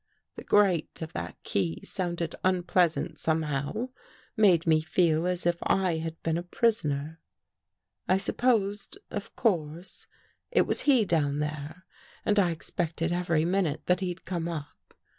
The grate of that key sounded unpleasant somehow, made me feel as if I had been a prisoner. I sup posed, of course, it was he down there and I ex pected every minute that he'd come up.